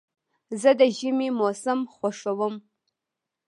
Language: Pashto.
زه د ژمي موسم خوښوم.